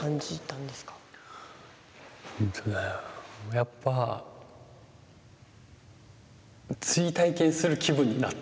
やっぱ追体験する気分になった。